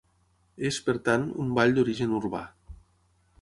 És, per tant, un ball d'origen urbà.